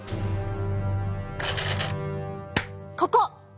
ここ。